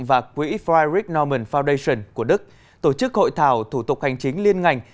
và quỹ freireich norman foundation của đức tổ chức hội thảo thủ tục hành chính liên ngành